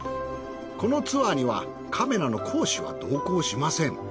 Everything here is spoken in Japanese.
このツアーにはカメラの講師は同行しません。